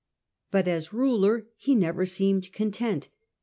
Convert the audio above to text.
But as ruler he never seemed content.